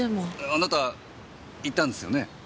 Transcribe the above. あなた言ったんですよね？